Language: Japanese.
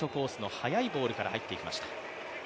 速いボールから入ってきました。